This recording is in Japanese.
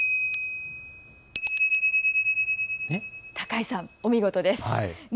高井さん、お見事ですね。